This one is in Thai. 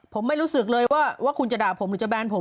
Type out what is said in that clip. ผมไม่รู้สึกเลยว่าคุณจะด่าผมหรือจะแบนผม